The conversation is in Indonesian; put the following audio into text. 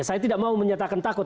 saya tidak mau menyatakan takut